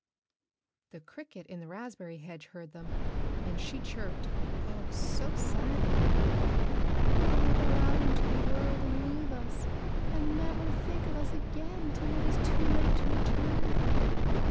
The cricket in the raspberry hedge heard them, and she chirped, oh! so sadly: "You will go out into the world and leave us and never think of us again till it is too late to return.